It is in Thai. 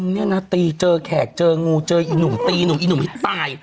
เนี่ยนะตีเจอแขกเจองูเจออีหนุ่มตีหนุ่มอีหนุ่มอีกตาย